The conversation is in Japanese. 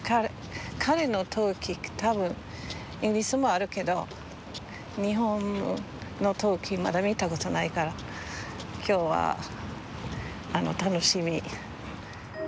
彼の陶器多分イギリスもあるけど日本の陶器まだ見た事ないから今日は楽しみ。